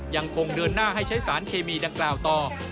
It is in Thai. ยังคงเดินหน้าให้ใช้สารเคมีดังกล่าวต่อ